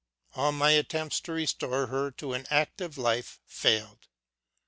All my attempts to restore her to an active life failed.